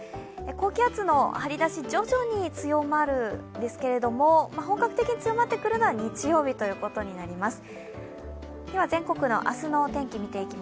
高気圧の張り出し、徐々に強まるんですが本格的に強まってくるのは日曜日ということになります。